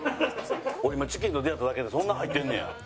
俺今チキンと出会っただけでそんな入ってんねや。